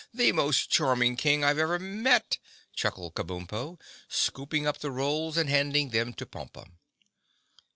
"The most charming King I've ever met," chuckled Kabumpo, scooping up the rolls and handing them to Pompa.